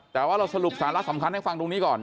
แต่ว่าเราสรุปสาระสำคัญให้ฟังตรงนี้ก่อน